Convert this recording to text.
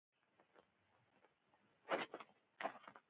د مڼې شیره د څه لپاره وکاروم؟